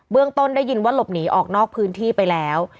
ต้นได้ยินว่าหลบหนีออกนอกพื้นที่ไปแล้ว